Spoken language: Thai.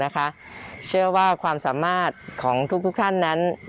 มันมีความคิดที่ผ่านสรุปตัวที่ไหว